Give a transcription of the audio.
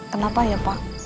kenapa ya pak